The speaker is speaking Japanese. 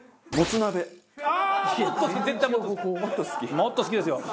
もっと好きですよ。